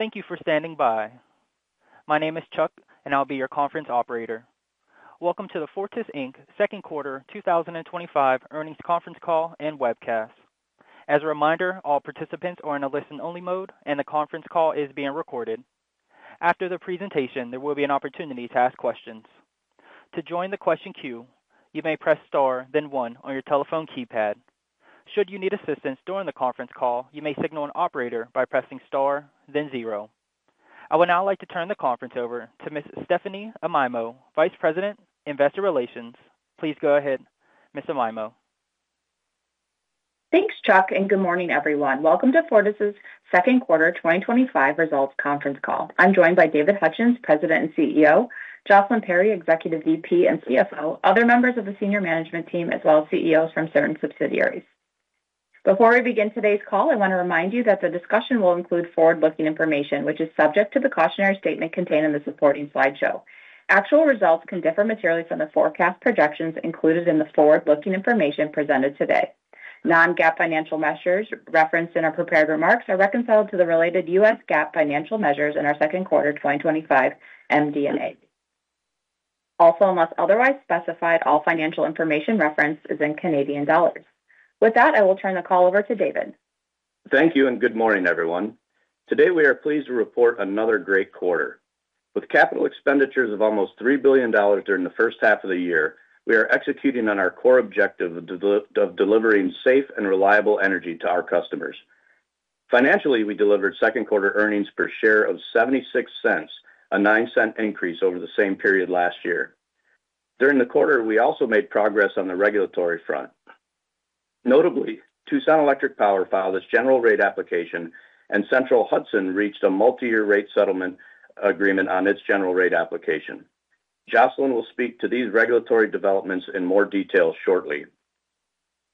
Thank you for standing by. My name is Chuck and I'll be your conference operator. Welcome to the Fortis Inc. Second Quarter 2025 Earnings Conference Call and Webcast. As a reminder, all participants are in a listen-only mode and the conference call is being recorded. After the presentation, there will be an opportunity to ask questions. To join the question queue, you may press * then one on your telephone keypad. Should you need assistance during the conference call, you may signal an operator by pressing * then zero. I would now like to turn the conference over to Ms. Stephanie Amaimo, Vice President, Investor Relations. Please go ahead, Ms. Amaimo. Thanks, Chuck, and good morning, everyone. Welcome to Fortis Second Quarter 2025 Results Conference Call. I'm joined by David Hutchens, President and CEO, Jocelyn Perry, Executive Vice President and CFO, other members of the senior management team, as well as CEOs from certain subsidiaries. Before we begin today's call, I want to remind you that the discussion will include forward-looking information, which is subject to the cautionary statement contained in the supporting slide show. Actual results can differ materially from the forecast projections included in the forward-looking information presented today. Non-GAAP financial measures referenced in our prepared remarks are reconciled to the related U.S. GAAP financial measures in our Second Quarter 2025 MD&A. Also, unless otherwise specified, all financial information referenced is in Canadian dollars. With that, I will turn the call over to David.​ Thank you and good morning everyone. Today we are pleased to report another great quarter. With capital expenditures of almost $3 billion during the first half of the year, we are executing on our core objective of delivering safe and reliable energy to our customers. Financially, we delivered second quarter earnings per share of $0.76, a $0.09 increase over the same period last year. During the quarter, we also made progress on the regulatory front. Notably, Tucson Electric Power filed its general rate application and Central Hudson reached a multi-year rate settlement agreement on its general rate application. Jocelyn Perry will speak to these regulatory developments in more detail shortly.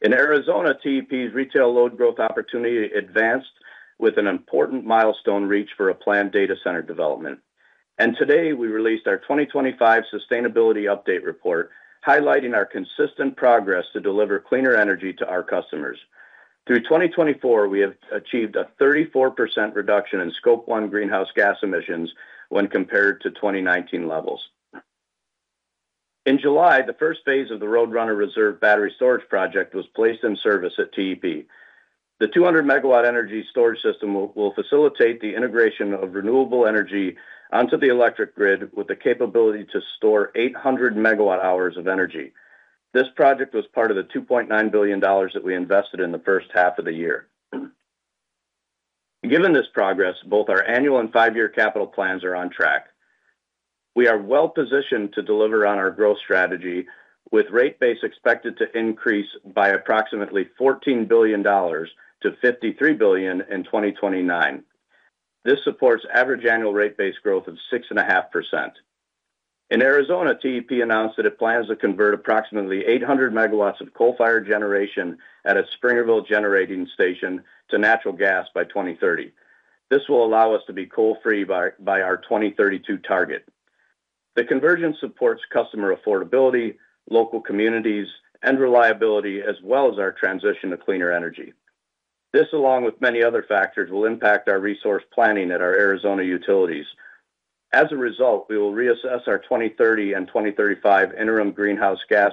In Arizona, TEP's retail load growth opportunity advanced with an important milestone reached for a planned data center development. Today we released our 2025 Sustainability Update report highlighting our consistent progress to deliver cleaner energy to our customers. Through 2024, we have achieved a 34% reduction in scope 1 greenhouse gas emissions when compared to 2019 levels. In July, the first phase of the Roadrunner Reserve battery storage project was placed in service at TEP. The 200 MW energy storage system will facilitate the integration of renewable energy operations onto the electric grid with the capability to store 800 MWh of energy. This project was part of the $2.9 billion that we invested in the first half of the year. Given this progress, both our annual and five-year capital plans are on track. We are well positioned to deliver on our growth strategy with rate base expected to increase by approximately $14 billion to $53 billion in 2029. This supports average annual rate base growth of 6.5% in Arizona. TEP announced that it plans to convert approximately 800 MW of coal-fired generation at Springerville Generating Station to natural gas by 2030. This will allow us to be coal free by our 2032 target. The conversion supports customer affordability, local communities, and reliability as well as our transition to cleaner energy. This, along with many other factors, will impact our resource planning at our Arizona utilities. As a result, we will reassess our 2030 and 2035 interim greenhouse gas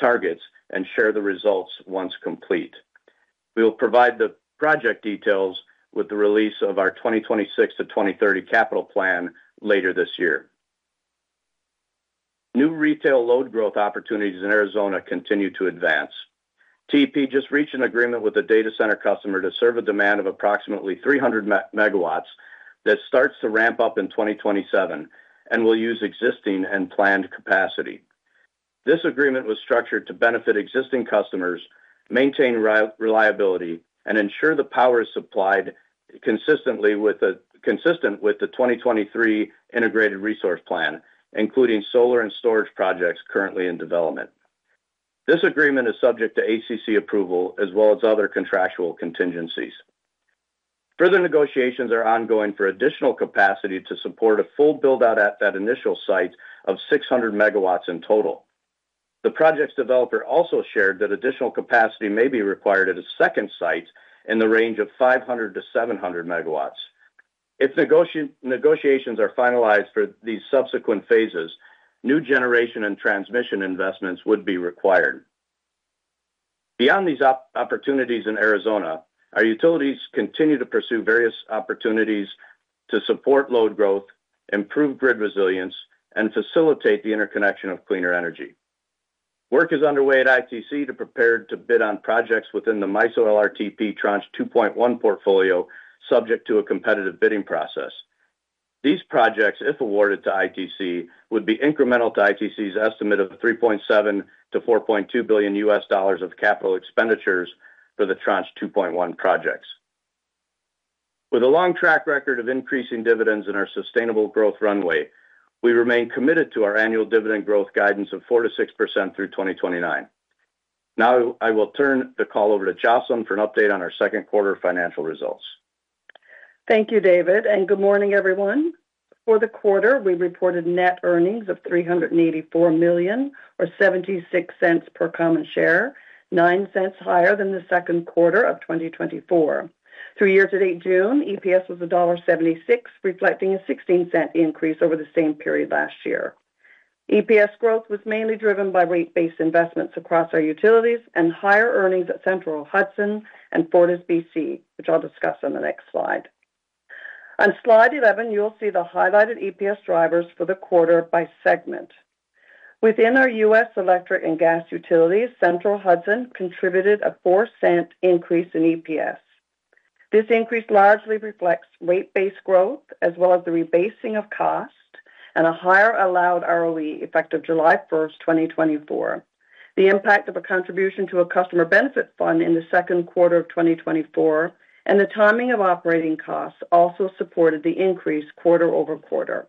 targets and share the results. Once complete, we will provide the project details with the release of our 2026-2030 capital plan later this year. New retail load growth opportunities in Arizona continue to advance. TEP just reached an agreement with a data center customer to serve a demand of approximately 300 megawatts that starts to ramp up in 2027 and will use existing and planned capacity. This agreement was structured to benefit existing customers, maintain reliability, and ensure the power is supplied consistent with the 2023 Integrated Resource Plan, including solar and storage projects currently in development. This agreement is subject to ACC approval as well as other contractual contingencies. Further negotiations are ongoing for additional capacity to support a full buildout at that initial site of 600 megawatts in total. The project's developer also shared that additional capacity may be required at a second site in the range of 500 to 700 megawatts if negotiations are finalized for these subsequent phases and new generation and transmission investments would be required. Beyond these opportunities in Arizona, our utilities continue to pursue various opportunities to support load growth, improve grid resilience, and facilitate the interconnection of cleaner energy. Work is underway at ITC to prepare to bid on projects within the MISO LRTP Tranche 2.1 portfolio, subject to a competitive bidding process. These projects, if awarded to ITC, would be incremental to ITC's estimate of $3.7 to $4.2 billion of capital expenditures for the Tranche 2.1 projects. With a long track record of increasing dividends and our sustainable growth runway, we remain committed to our annual dividend growth guidance of 4% to 6% through 2029. Now I will turn the call over to Jocelyn for an update on our second quarter financial results. Thank you, David, and good morning, everyone. For the quarter, we reported net earnings of $384 million, or $0.76 per common share, $0.09 higher than the second quarter of 2024. Through year to date, June EPS was $1.76, reflecting a $0.16 increase over the same period last year. EPS growth was mainly driven by rate base investments across our utilities and higher earnings at Central Hudson and FortisBC, which I'll discuss on the next slide. On slide 11, you'll see the highlighted EPS drivers for the quarter by segment. Within our U.S. electric and gas utilities, Central Hudson contributed a $0.04 increase in EPS. This increase largely reflects rate base growth as well as the rebasing of cost and a higher allowed ROE effective July 1, 2024. The impact of a contribution to a customer benefit fund in the second quarter of 2024 and the timing of operating costs also supported the increase quarter over quarter.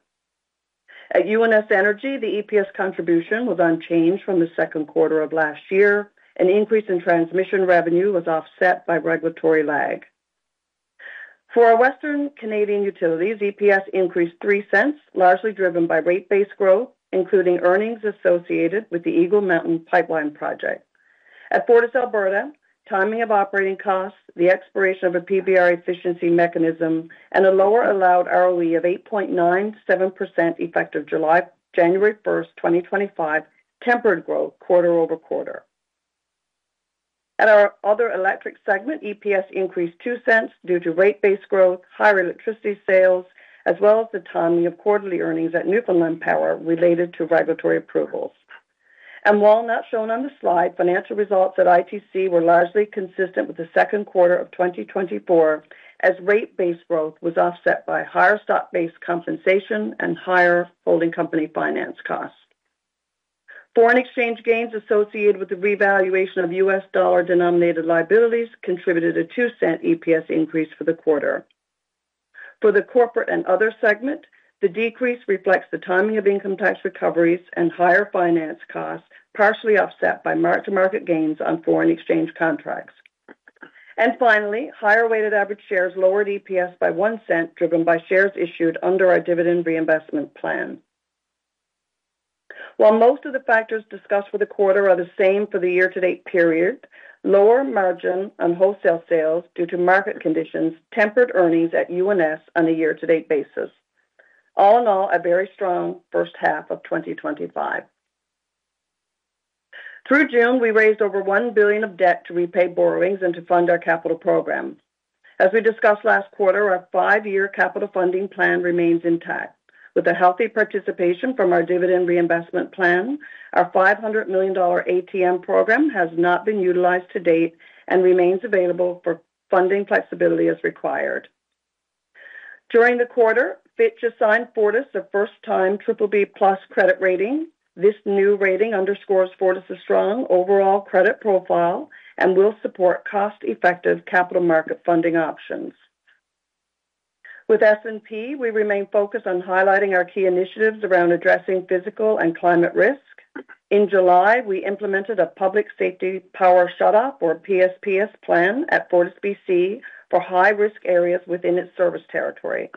At UNS Energy, the EPS contribution was unchanged from the second quarter of last year. An increase in transmission revenue was offset by regulatory lag. For our Western Canadian utilities, EPS increased $0.03, largely driven by rate base growth, including earnings associated with the Eagle Mountain Pipeline project at FortisAlberta. Timing of operating costs, the expiration of a PBR efficiency mechanism, and a lower allowed ROE of 8.97% effective January 1, 2025, tempered growth quarter over quarter. At our other electric segment, EPS increased $0.02 due to rate base growth, higher electricity sales, as well as the timing of quarterly earnings at Newfoundland Power related to regulatory approvals. While not shown on the slide, financial results at ITC Holdings Corp were largely consistent with the second quarter of 2024, as rate base growth was offset by higher stock-based compensation and higher holding company finance costs. Foreign exchange gains associated with the revaluation of U.S. dollar denominated liabilities contributed a $0.02 EPS increase for the quarter. For the corporate and other segment, the decrease reflects the timing of income tax recoveries and higher finance costs, partially offset by mark-to-market gains on foreign exchange contracts. Finally, higher weighted average shares lowered EPS by $0.01, driven by shares issued under our dividend reinvestment plan. While most of the factors discussed for the quarter are the same for the year to date period, lower margin on wholesale sales due to market conditions tempered earnings at UNS on a year to date basis. All in all, a very strong first half of 2025. Through June, we raised over $1 billion of debt to repay borrowings and to fund our capital program. As we discussed last quarter, our five-year capital funding plan remains intact with a healthy participation from our dividend reinvestment plan. Our $500 million ATM program has not been utilized to date and remains available for funding. Flexibility is required. During the quarter, Fitch assigned Fortis Inc. a first-time BBB credit rating. This new rating underscores Fortis Inc.'s strong overall credit profile and will support cost-effective capital market funding options. With S&P, we remain focused on highlighting our key initiatives around addressing physical and climate risk. In July, we implemented a public safety power shutoff (PSPS) plan at FortisBC for high-risk areas within its service territory.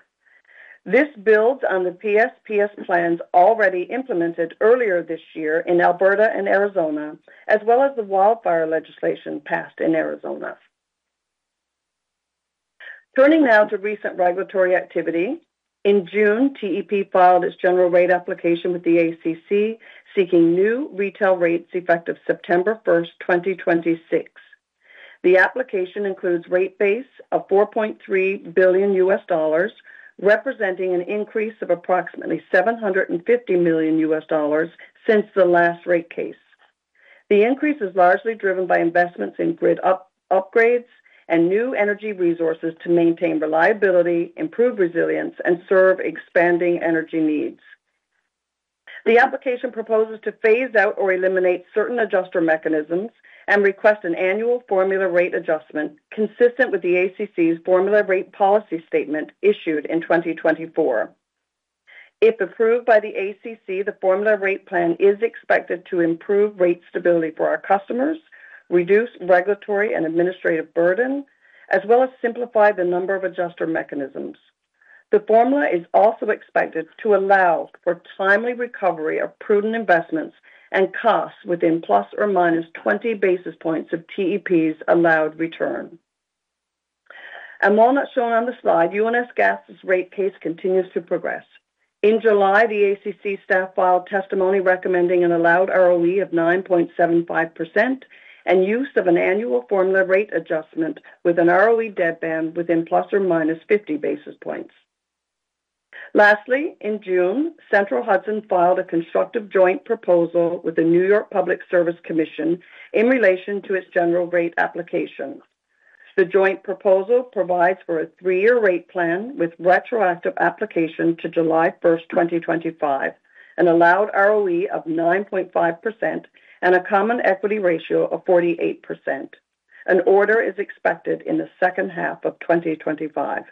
This builds on the PSPS plans already implemented earlier this year in Alberta and Arizona, as well as the wildfire legislation passed in Arizona. Turning now to recent regulatory activity, in June TEP filed its general rate application with the ACC seeking new retail rates effective September 1, 2026. The application includes rate base of US$4.3 billion, representing an increase of approximately US$750 million since the last rate case. The increase is largely driven by investments in grid upgrades and new energy resources to maintain reliability, improve resilience, and serve expanding energy needs. The application proposes to phase out or eliminate certain adjuster mechanisms and request an annual formula rate adjustment consistent with the ACC's Formula Rate Policy Statement issued in 2024. If approved by the ACC, the Formula Rate Plan is expected to improve rate stability for our customers, reduce regulatory and administrative burden, as well as simplify the number of adjuster mechanisms. The formula is also expected to allow for timely recovery of prudent investments and costs within plus or minus 20 basis points of TEP's allowed return. While not shown on the slide, UNS gas rate case continues to progress. In July, the ACC staff filed testimony recommending an allowed ROE of 9.75% and use of an annual formula rate adjustment with an ROE dead band within plus or minus 50 basis points. Lastly, in June, Central Hudson filed a constructive joint proposal with the New York Public Service Commission in relation to its general rate application. The joint proposal provides for a three-year rate plan with retroactive application to July 1, 2025, an allowed ROE of 9.5% and a common equity ratio of 48%. An order is expected in the second half of 2025,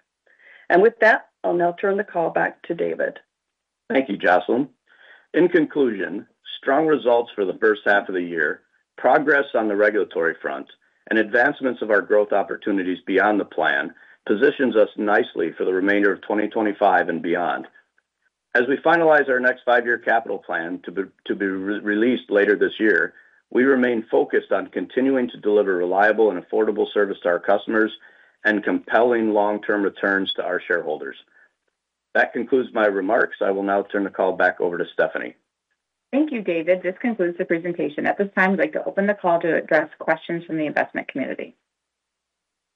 and with that I'll now turn the call back to David. Thank you, Jocelyn. In conclusion, strong results for the first half of the year, progress on the regulatory front, and advancements of our growth opportunities beyond the plan position us nicely for the remainder of 2025 and beyond as we finalize our next five-year capital plan to be released later this year. We remain focused on continuing to deliver reliable and affordable service to our customers and compelling long-term returns to our shareholders. That concludes my remarks. I will now turn the call back over to Stephanie. Thank you, David. This concludes the presentation. At this time, I'd like to open the call to address questions from the investment community.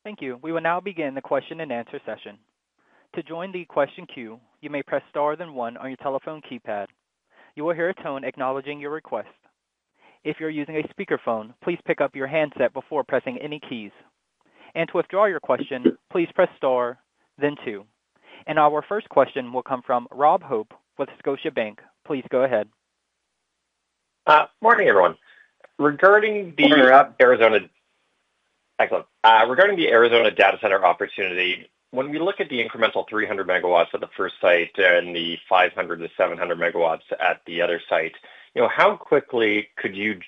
Thank you. We will now begin the question and answer session. To join the question queue, you may press Star then one on your telephone keypad. You will hear a tone acknowledging your request. If you are using a speakerphone, please pick up your handset before pressing any keys. To withdraw your question, please press Star then two. Our first question will come from Rob Hope with Scotiabank. Please go ahead. Morning everyone. Regarding Arizona. Excellent. Regarding the Arizona data center opportunity, when we look at the incremental 300 megawatts of the first site and the 500 to 700 megawatts at the other site, how quickly could you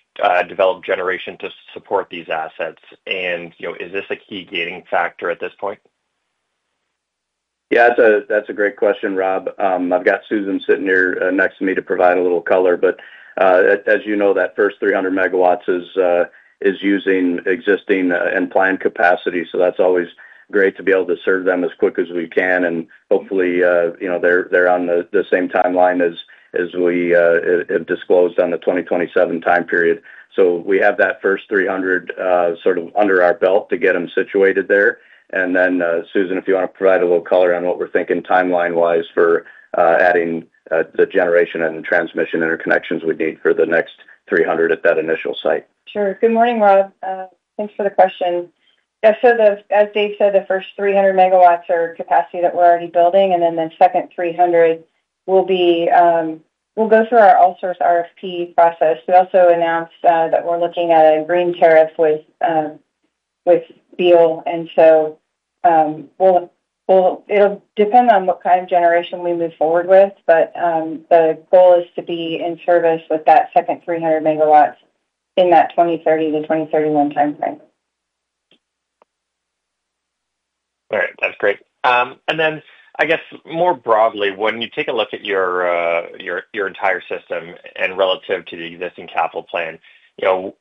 develop generation to support these assets? Is this a key gating factor at this point? Yeah, that's a great question, Rob. I've got Susan sitting here next to me to provide a little color. As you know, that first 300 megawatts is using existing and planned capacity. That's always great to be able to serve them as quick as we can. Hopefully they're on the same timeline as we have disclosed on the 2027 time period. We have that first 300 sort of under our belt to get them situated there. Susan, if you want to provide a little color on what we're thinking timeline wise for adding the generation and the transmission interconnections we need for the next 300 at that initial site, sure. Good morning, Rob. Thanks for the question. As Dave said, the first 300 megawatts are capacity that we're already building, and the second 300 will be. We'll go through our all source RFP process. We also announced that we're looking at a green tariff with Beal. It'll depend on what kind. The goal is to be in service with that second 300 megawatts in that 2030 to 2031 timeframe. All right, that's great. When you take a look at your entire system and relative to the existing capital plan,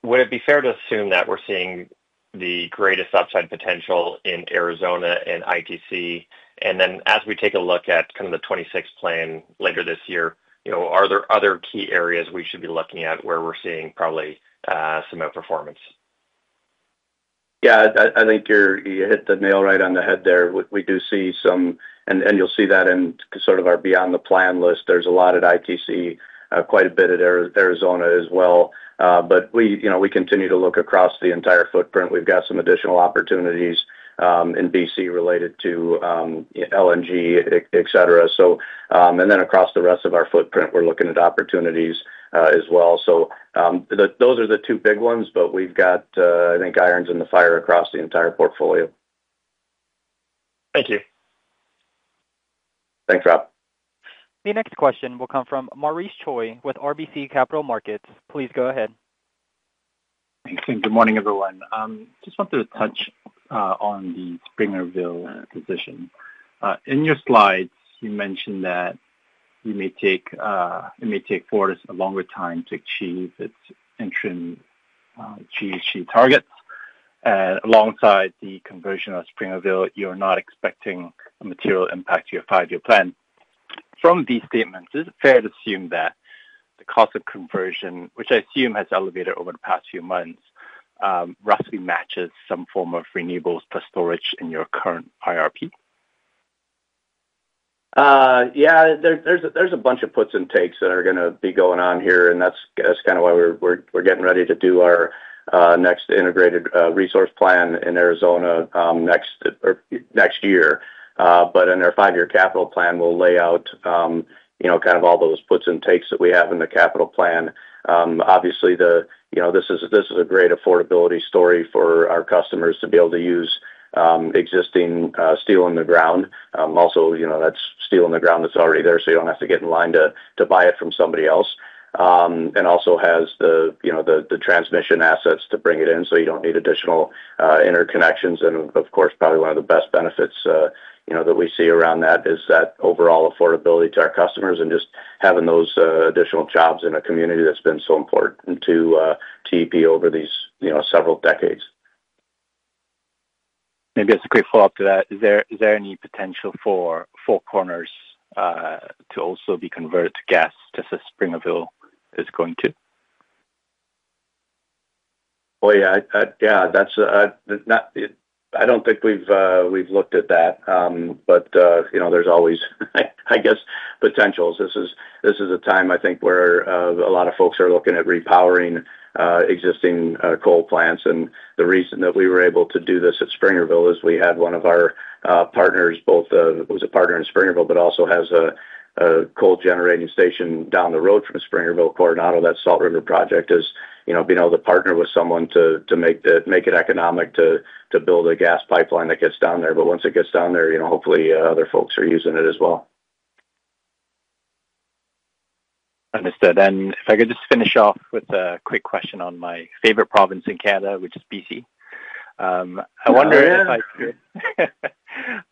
would it be fair to assume that we're seeing the greatest upside potential in Arizona and ITC. As we take a look at kind of the 2026 plan later this year, are there other key areas we should be looking at where we're seeing probably some outperformance? Yeah, I think you hit the nail right on the head there. We do see some, and you'll see that in sort of our beyond the plan list. There's a lot at ITC Holdings Corp., quite a bit at Arizona as well. We continue to look across the entire footprint. We've got some additional opportunities in BC related to LNG export facilities, et cetera. Across the rest of our footprint we're looking at opportunities as well. Those are the two big ones, but we've got, I think, irons in the fire across the entire portfolio. Thank you. Thanks, Rob. The next question will come from Maurice Choy with RBC Capital Markets. Please go ahead. Thanks, and good morning everyone. Just wanted to touch on the Springerville position in your slides. You mentioned that it may take Fortis a longer time to achieve its entry targets. Alongside the conversion of Springerville, you're not expecting a material impact to your five year plan. From these statements, is it fair to assume that the cost of conversion, which I assume has elevated over the past few months, roughly matches some form of renewables to storage in your current IRP? Yeah, there's a bunch of puts and takes that are going to be going on here, and that's kind of why we're getting ready to do our next integrated resource plan in Arizona next year. In our five-year capital plan, we'll lay out all those puts and takes that we have in the capital plan. Obviously, this is a great affordability story for our customers to be able to use existing steel in the ground. Also, that's steel in the ground that's already there, so you don't have to get in line to buy it from somebody else. It also has the transmission assets to bring it in, so you don't need additional interconnections. Of course, probably one of the best benefits that we see around that is the overall affordability to our customers and just having those additional jobs in a community that's been so important to TEP over these several decades. Maybe as a quick follow-up to. Is there any potential for Four Corners to also be converted to gas just as Springerville is going to? Yeah, that's not, I don't think we've looked at that. There's always, I guess, potentials. This is a time, I think, where a lot of folks are looking at repowering existing coal plants. The reason that we were able to do this at Springerville is we had one of our partners, both was a partner in Springerville, but also has a coal generating station down the road from Springerville, Coronado. That Salt River Project is, you know, being able to partner with someone to make it economic to build a gas pipeline that gets down there. Once it gets down there, hopefully other folks are using it as well. Understood. If I could just finish off with a quick question on my favorite province in Canada, which is BC. I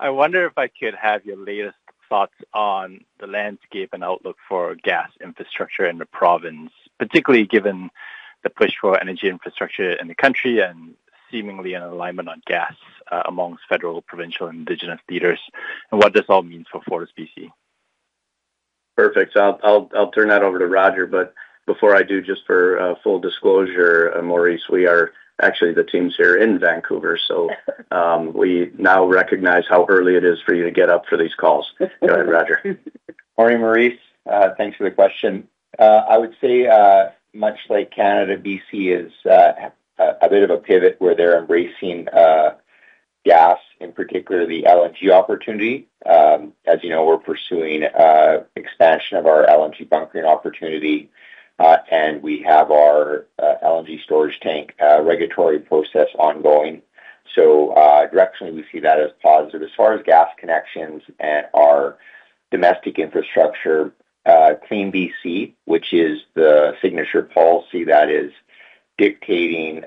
wonder if I could have your. Latest thoughts on the landscape and outlook for gas infrastructure in the province, particularly given the push for energy infrastructure in the country and seemingly an alignment on gas amongst federal, provincial and Indigenous leaders, and what this all means for FortisBC. Perfect. I'll turn that over to Roger. Before I do, just for full disclosure, Maurice, the teams are here in Vancouver, so we now recognize how early it is for you to get up for these calls. Go ahead, Roger. Morning, Maurice. Thanks for the question. I would say, much like Canada, BC is a bit of a pivot where they're embracing gas, in particular the LNG opportunity. As you know, we're pursuing expansion of our LNG bunkering opportunity and we have our LNG storage tank regulatory process ongoing. Directionally, we see that as positive as far as gas connections and our domestic infrastructure. CleanBC, which is the signature policy that is dictating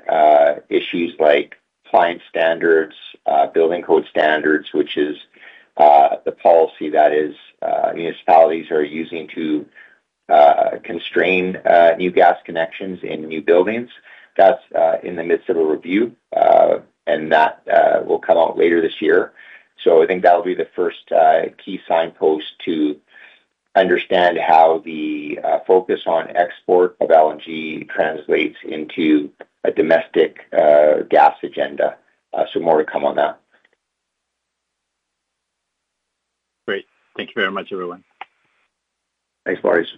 issues like client standards, building code standards, which is the policy that municipalities are using to constrain new gas connections in new buildings, is in the midst of a review and that will come out later this year. I think that will be the first key signpost to understand how the focus on export of LNG translates into a domestic gas agenda. More to come on that. Great. Thank you very much, everyone. Thanks, Maurice.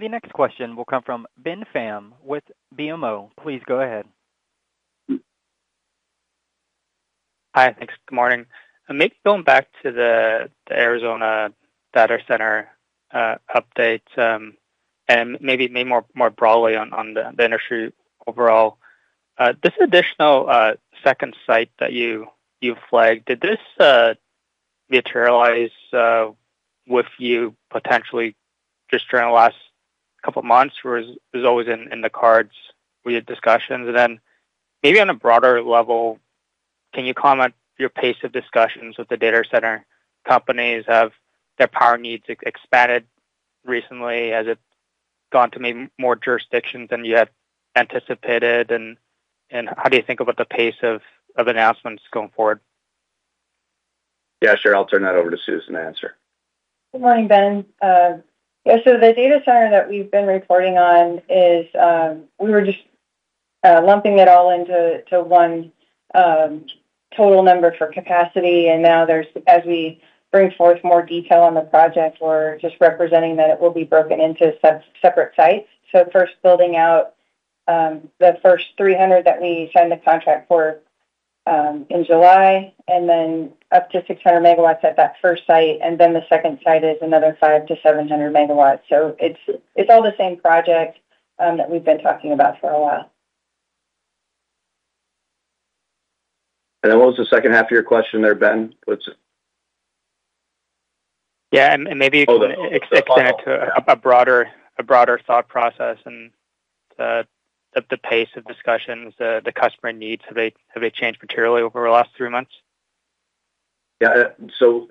The next question will come from Ben Pham with BMO Capital Markets. Please go ahead. Hi. Thanks. Good morning. Maybe going back to the Arizona data center updates and maybe more broadly on the industry overall, this additional second site that you flagged, did this materialize with you potentially just during the last couple months or was it always in the cards? We had discussions. Maybe on a broader level, can you comment on your pace of discussions with the data center companies? Have their power needs expanded recently? Has it gone to maybe more jurisdictions than you had anticipated? How do you think about the pace of announcements going forward? Yeah, sure. I'll turn that over to Susan to answer. Good morning, Ben. Yeah, the data center that we've. been reporting on this. We were just lumping it all into one total number for capacity, and now, as we bring forth more detail on the project, we're just representing that it will be broken into separate sites. First, building out the first 300 that we signed the contract for in July, and then up to 600 megawatts at that first site, and the second site is another 500 to 700 megawatts. So it's. It's all the same project that we've been talking about for a while. What was the second half of your question there, Ben? Yeah, maybe you can extend it to a broader thought process and the pace of discussions the customer needs. Have they changed materially over the last three months? Yeah,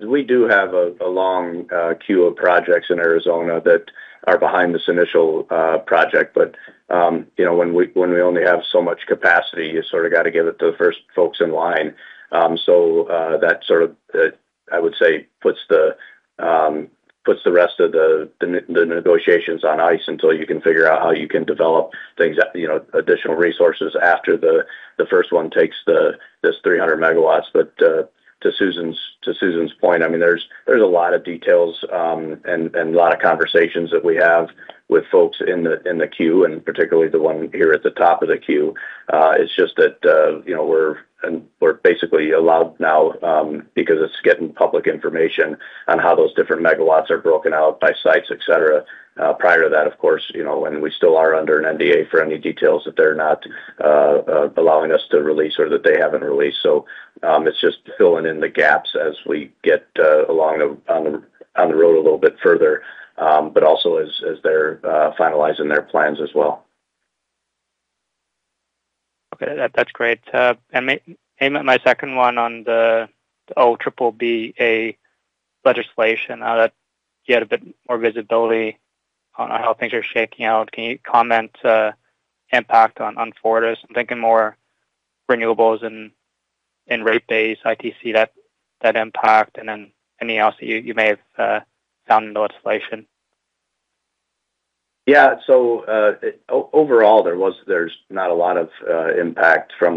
we do have a long queue of projects in Arizona that are behind this initial project, but when we only have so much capacity, you have to give it to the first folks in line. That puts the rest of the negotiations on ice until you can figure out how you can develop additional resources after the first one takes this 300 megawatts. To Susan's point, there are a lot of details and a lot of conversations that we have with folks in the queue, particularly the one here at the top of the queue. We're basically allowed now, because it's getting public information, to show how those different megawatts are broken out by sites, etc. Prior to that, of course, and we still are under an NDA for any details that they're not allowing us to release or that they haven't released. It's just filling in the gaps as we get along on the road a little bit further, and also as they're finalizing their plans as well. Okay, that's great. My second one, on the OABBA legislation, you had a bit more visibility on how things are shaking out. Can you comment impact on Fortis? I'm thinking more renewables and rate base, ITC, that impact, and then anything else that you may have found in the legislation. Yeah, so overall there was not a lot of impact from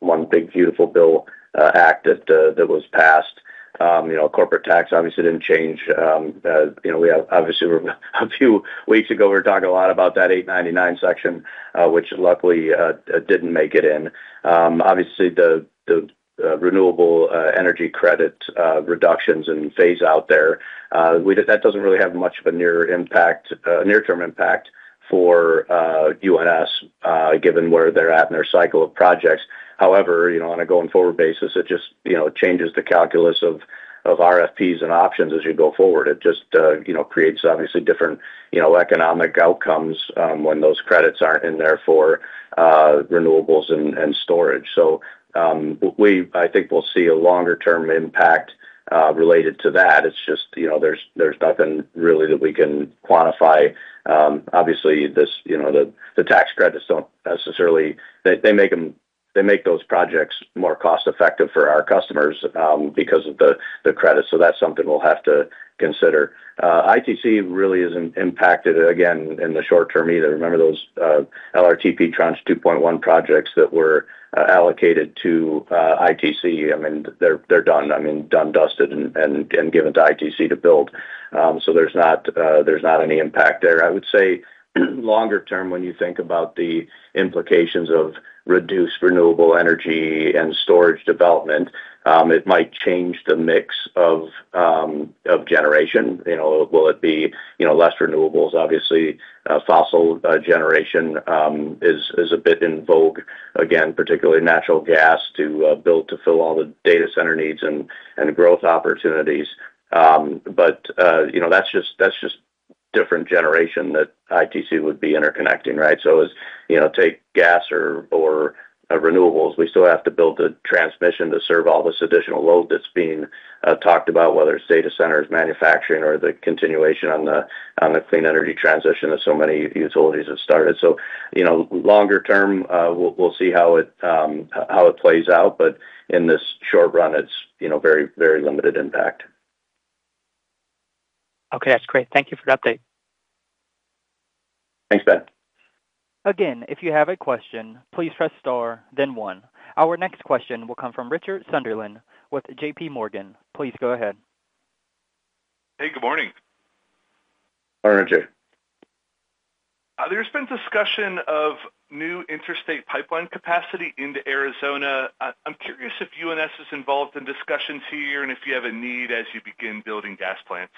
one big beautiful bill act that was passed. You know, corporate tax obviously didn't change. You know, we have, obviously, a few weeks ago, we were talking a lot about that 899 section, which luckily didn't make it in. Obviously, the renewable energy credit reductions and phase out there, that doesn't really have much of a near term impact for UNS given where they're at in their cycle of projects. However, on a going forward basis, it just changes the calculus of RFPs and options as you go forward. It just creates obviously different economic outcomes. When those credits aren't in there for renewables and storage, I think we'll see a longer term impact related to that. There's nothing really that we can quantify. Obviously, the tax credits don't necessarily, they make those projects more cost effective for our customers because of the credit. That's something we'll have to consider. ITC really isn't impacted again in the short term either. Remember those LRTP tranche 2.1 projects that were allocated to ITC? I mean they're done, done, dusted and given to ITC to build. There's not any impact there. I would say longer term, when you think about the implications of reduced renewable energy and storage development, it might change the mix of generation. Will it be less renewables? Obviously, fossil generation is a bit in vogue again, particularly natural gas to build, to fill all the data center needs and growth opportunities. That's just different generation that ITC would be interconnecting. Right. As you know, take gas or renewables, we still have to build transmission to serve all this additional load that's being talked about, whether it's data centers, manufacturing, or the continuation on the clean energy transition that so many utilities have started. Longer term we'll see how it plays out, but in this short run it's very, very limited impact. Okay, that's great. Thank you for the update. Thanks Ben. Again, if you have a question, please press Star then one. Our next question will come from Richard Sunderland with JPMorgan Securities LLC. Please go ahead. Hey, good morning. There's been discussion of new interstate pipeline capacity into Arizona. I'm curious if UNS is involved in discussions here and if you have a need as you begin building gas plants.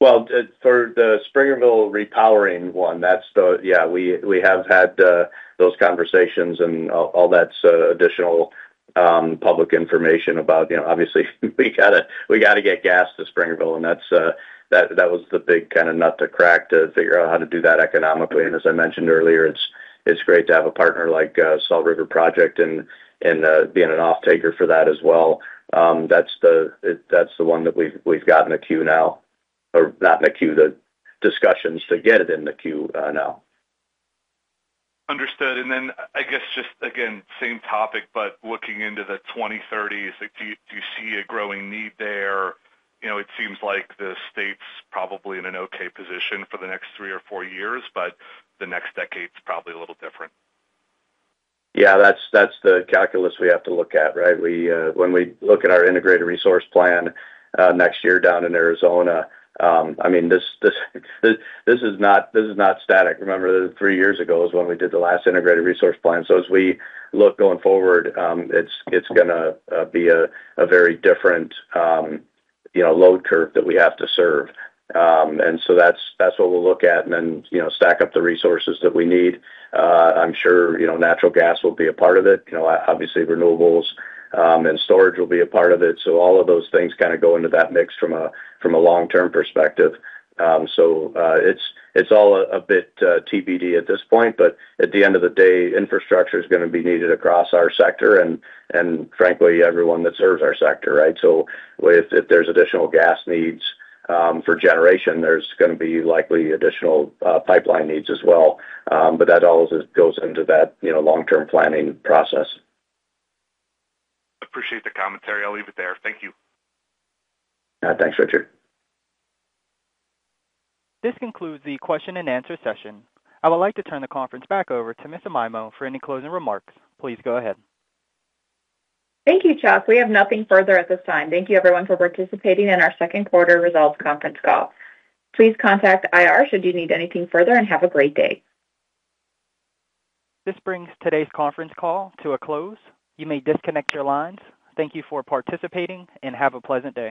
For the Springerville repowering one, that's the, yeah, we have had those conversations and all that's additional public information about, you know, obviously we got to get gas to Springerville and that was the big kind of nut to crack to figure out how to do that economically. As I mentioned earlier, it's great to have a partner like Salt River Project and being an off taker for that as well. That's the one that we've got in the queue now, or not in the queue, the discussions to get it in the queue now. Understood. I guess just again, same topic. Looking into the 2030s, do you see a growing need there? It seems like the state's probably in an okay position for the next three or four years, but the next decade is probably a little different. Yeah, that's the calculus we have to look at. Right. When we look at our Integrated Resource Plan next year down in Arizona, this is not static. Remember three years ago is when we did the last Integrated Resource Plan. As we look going forward, it's going to be a very different load curve that we have to serve. That's what we'll look at and then stack up the resources that we need. I'm sure natural gas will be a part of it, obviously. Renewables and storage will be a part of it. All of those things kind of go into that mix from a long term perspective. It's all a bit TBD at this point. At the end of the day, infrastructure is going to be needed across our sector and frankly everyone that serves our sector. Right. If there's additional gas needs for generation, there's going to be likely additional pipeline needs as well. That also goes into that long term planning process. Appreciate the commentary. I'll leave it there, thank you. Thanks, Richard. This concludes the question and answer session. I would like to turn the conference back over to Ms. Amaimo for any closing remarks. Please go ahead. Thank you, Chuck. We have nothing further at this time. Thank you everyone for participating in our second quarter results conference call. Please contact IR should you need anything further, and have a great day. This brings today's conference call to a close. You may disconnect your lines. Thank you for participating and have a pleasant day.